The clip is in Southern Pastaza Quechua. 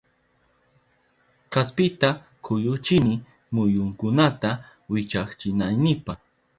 Kaspita kuyuchini muyunkunata wichachinaynipa